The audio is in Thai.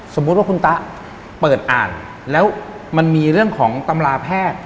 สมมุติว่าคุณตะเปิดอ่านแล้วมันมีเรื่องของตำราแพทย์